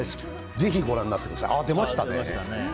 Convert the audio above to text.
ぜひご覧になってください。